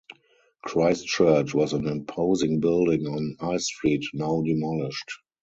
Christ Church was an imposing building on High Street, now demolished.